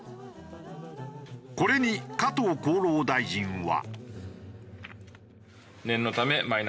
これに加藤厚労大臣は。